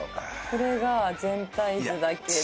これが全体図だけど。